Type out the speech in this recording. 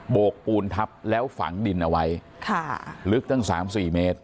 โกกปูนทับแล้วฝังดินเอาไว้ลึกตั้ง๓๔เมตร